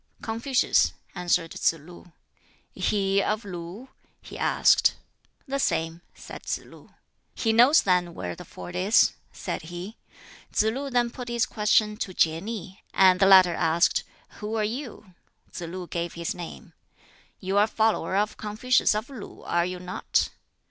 "Confucius," answered Tsz lu. "He of Lu?" he asked. "The same," said Tsz lu. "He knows then where the ford is," said he. Tsz lu then put his question to Kieh nih; and the latter asked, "Who are you?" Tsz lu gave his name. "You are a follower of Confucius of Lu, are you not?"